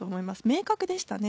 明確でしたね。